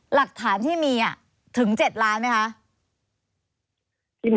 หลักฐานที่มีถึง๗ล้านไหมคะ